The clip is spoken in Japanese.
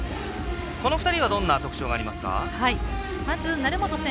この２人は、どんな特徴がありますか？